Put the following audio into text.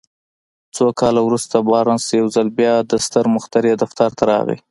څو کاله وروسته بارنس يو ځل بيا د ستر مخترع دفتر ته راغی.